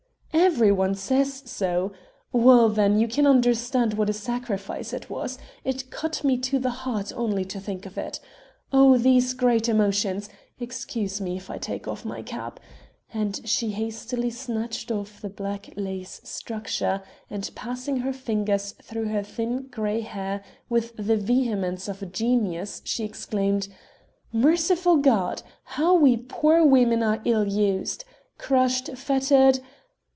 "Every one says so well then, you can understand what a sacrifice it was ... it cuts me to the heart only to think of it. Oh! these great emotions! Excuse me if I take off my cap ..." and she hastily snatched off the black lace structure and passing her fingers through her thin grey hair with the vehemence of a genius she exclaimed: "Merciful God! How we poor women are ill used! crushed, fettered